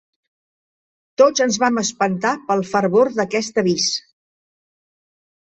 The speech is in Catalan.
Tots ens vam espantar pel fervor d'aquest avís.